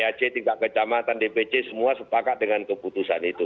ac tingkat kecamatan dpc semua sepakat dengan keputusan itu